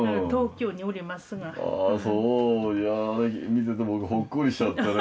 見ててほっこりしちゃったね。